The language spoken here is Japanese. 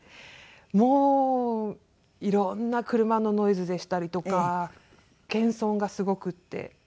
もう色んな車のノイズでしたりとかけん騒がすごくって。